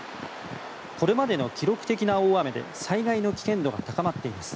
これまでの記録的な大雨で災害の危険度が高まっています。